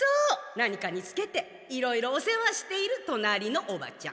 何かにつけていろいろお世話している隣のおばちゃん。